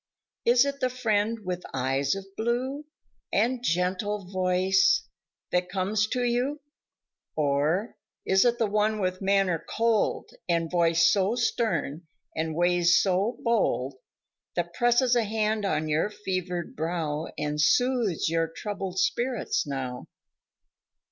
Is it the friend with the eyes of blue And gentle voice that comes to you, Or, is it the one with manner cold And voice so stern and ways so bold, That presses a hand on your fevered brow And soothes your troubled spirits now.